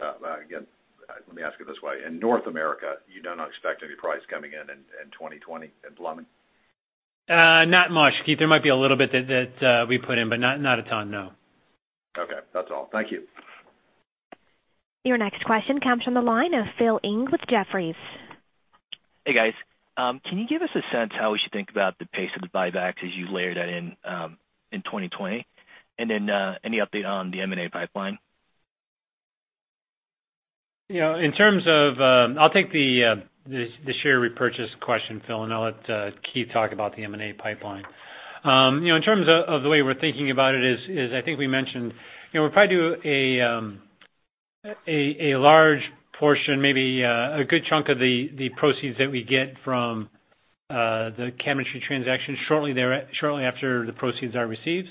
Let me ask it this way. In North America, you do not expect any price coming in 2020 in plumbing? Not much, Keith. There might be a little bit that we put in, but not a ton, no. Okay. That's all. Thank you. Your next question comes from the line of Phil Ng with Jefferies. Hey, guys. Can you give us a sense how we should think about the pace of the buybacks as you layer that in 2020? Any update on the M&A pipeline? I'll take the share repurchase question, Phil, and I'll let Keith talk about the M&A pipeline. In terms of the way we're thinking about it is, I think we mentioned, we'll probably do a large portion, maybe a good chunk of the proceeds that we get from the cabinetry transaction shortly after the proceeds are received.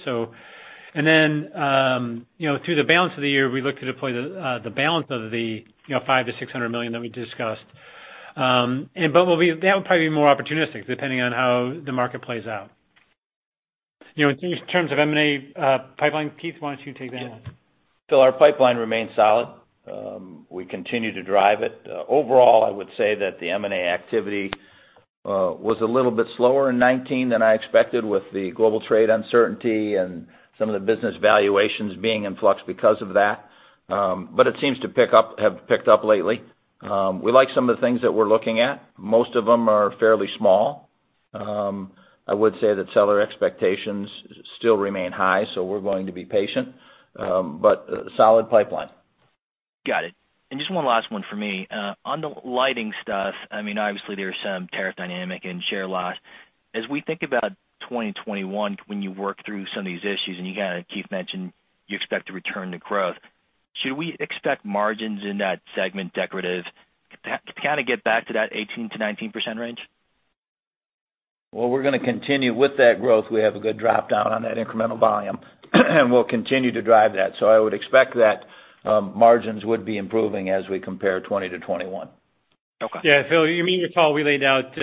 Then, through the balance of the year, we look to deploy the balance of the $500 million-$600 million that we discussed. That will probably be more opportunistic, depending on how the market plays out. In terms of M&A pipeline, Keith, why don't you take that one? Phil, our pipeline remains solid. We continue to drive it. Overall, I would say that the M&A activity was a little bit slower in 2019 than I expected with the global trade uncertainty and some of the business valuations being in flux because of that. It seems to have picked up lately. We like some of the things that we're looking at. Most of them are fairly small. I would say that seller expectations still remain high, we're going to be patient. A solid pipeline. Got it. Just one last one for me. On the lighting stuff, obviously there's some tariff dynamic and share loss. As we think about 2021, when you work through some of these issues, and you had Keith mention you expect to return to growth, should we expect margins in that segment, decorative, to kind of get back to that 18%-19% range? Well, we're going to continue with that growth. We have a good drop down on that incremental volume, and we'll continue to drive that. I would expect that margins would be improving as we compare 2020 to 2021. Yeah, Phil, you may recall we laid out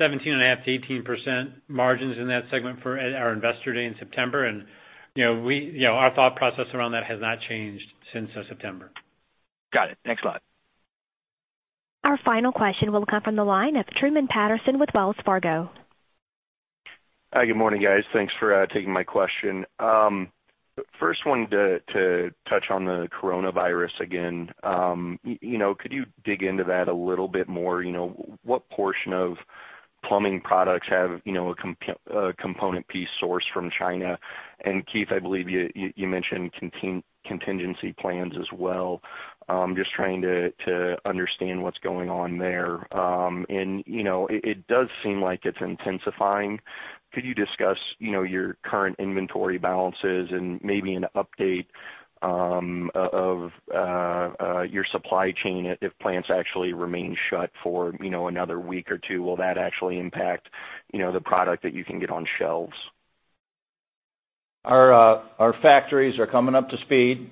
17.5%-18% margins in that segment for our Investor Day in September, and our thought process around that has not changed since September. Got it. Thanks a lot. Our final question will come from the line of Truman Patterson with Wells Fargo. Hi, good morning, guys. Thanks for taking my question. First one to touch on the coronavirus again. Could you dig into that a little bit more? What portion of plumbing products have a component piece sourced from China? Keith, I believe you mentioned contingency plans as well. Just trying to understand what's going on there. It does seem like it's intensifying. Could you discuss your current inventory balances and maybe an update of your supply chain if plants actually remain shut for another week or two? Will that actually impact the product that you can get on shelves? Our factories are coming up to speed.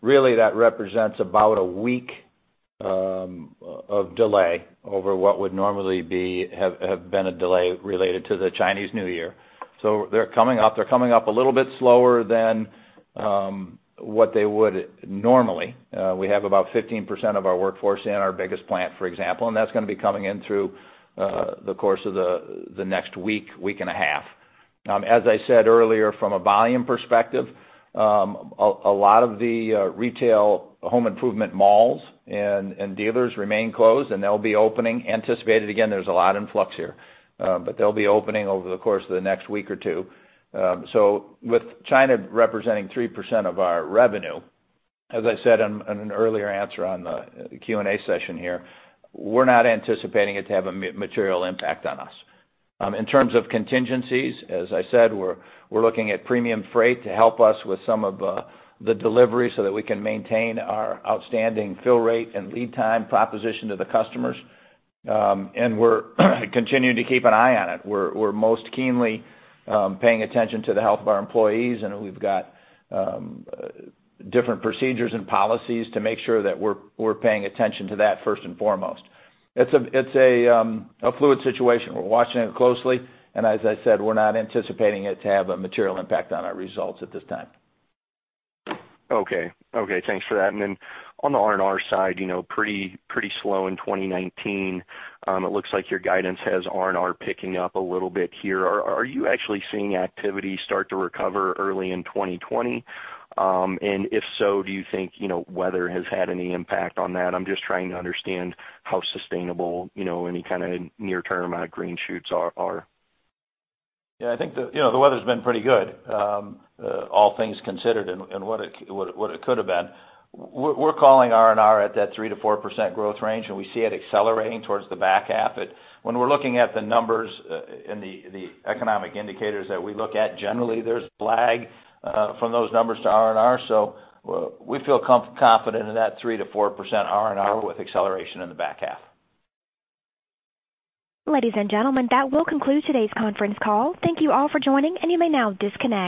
Really, that represents about a week of delay over what would normally have been a delay related to the Chinese New Year. They're coming up. They're coming up a little bit slower than what they would normally. We have about 15% of our workforce in our biggest plant, for example, and that's going to be coming in through the course of the next week and a half. As I said earlier, from a volume perspective, a lot of the retail home improvement malls and dealers remain closed, and they'll be opening, again, there's a lot in flux here. They'll be opening over the course of the next week or two. With China representing 3% of our revenue, as I said in an earlier answer on the Q&A session here, we're not anticipating it to have a material impact on us. In terms of contingencies, as I said, we're looking at premium freight to help us with some of the delivery so that we can maintain our outstanding fill rate and lead time proposition to the customers. We're continuing to keep an eye on it. We're most keenly paying attention to the health of our employees, and we've got different procedures and policies to make sure that we're paying attention to that first and foremost. It's a fluid situation. We're watching it closely, and as I said, we're not anticipating it to have a material impact on our results at this time. Okay. Thanks for that. On the R&R side, pretty slow in 2019. It looks like your guidance has R&R picking up a little bit here. Are you actually seeing activity start to recover early in 2020? If so, do you think weather has had any impact on that? I'm just trying to understand how sustainable any kind of near-term green shoots are. Yeah, I think the weather's been pretty good, all things considered, and what it could have been. We're calling R&R at that 3%-4% growth range, and we see it accelerating towards the back half. When we're looking at the numbers and the economic indicators that we look at, generally, there's lag from those numbers to R&R. We feel confident in that 3%-4% R&R with acceleration in the back half. Ladies and gentlemen, that will conclude today's conference call. Thank you all for joining, and you may now disconnect.